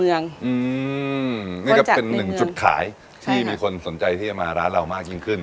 นี่ก็เป็นหนึ่งจุดขายที่มีคนสนใจที่จะมาร้านเรามากยิ่งขึ้น